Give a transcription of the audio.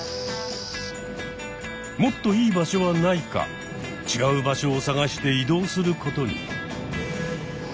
もっといい場所はないか違う場所を探して移動することに。